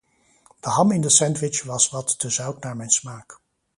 De ham in de sandwich was wat te zout naar mijn smaak.